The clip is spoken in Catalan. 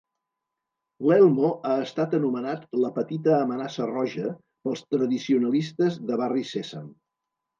L'Elmo ha estat anomenat la "petita amenaça roja" pels tradicionalistes de Barri Sèsam.